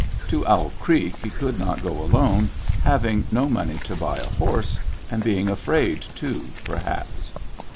To Owl Creek he could not go alone, having no money to buy a horse, and being afraid, too, perhaps.